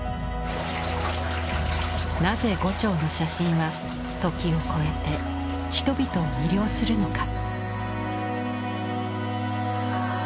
なぜ牛腸の写真は時を超えて人々を魅了するのか？